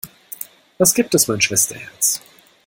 Was gibt es, mein Schwesterherz?